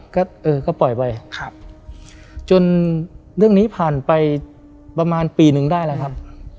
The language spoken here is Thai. ก็เออก็ปล่อยไปครับจนเรื่องนี้ผ่านไปประมาณปีนึงได้แล้วครับ